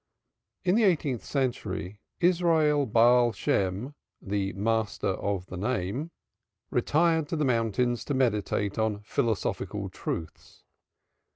In the eighteenth century Israel Baal Shem, "the Master of the Name," retired to the mountains to meditate on philosophical truths.